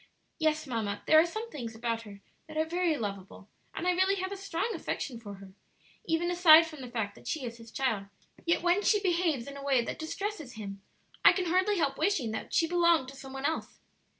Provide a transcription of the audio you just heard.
"Yes, mamma, there are some things about her that are very lovable, and I really have a strong affection for her, even aside from the fact that she is his child; yet when she behaves in a way that distresses him I can hardly help wishing that she belonged to some one else.